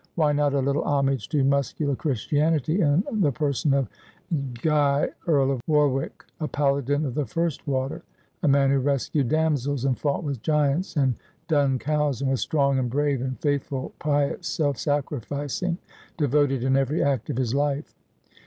Why not a little homage to muscular Christianity, in the person of Guy, Earl of Warwick, a paladin of the first water, a man who rescued damsels, and fought with giants and dun cows, and was strong and brave, and faithful, pious, self sacri cing, devoted in every act of his life